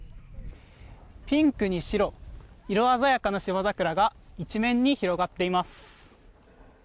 ピンクに白色鮮やかな芝桜が一面に広がっています。